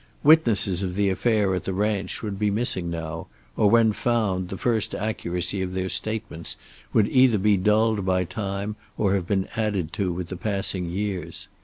Witnesses of the affair at the ranch would be missing now, or when found the first accuracy of their statements would either be dulled by time or have been added to with the passing years.